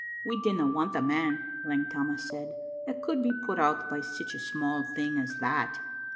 " "We didna want a man," Lang Tammas said, "that could be put out by sic a sma' thing as that.